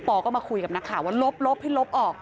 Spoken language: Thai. ก็มาคุยกับนักข่าวว่าลบให้ลบออก